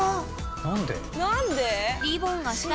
何で？